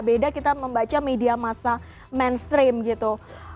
beda kita membaca media masa mainstream gitu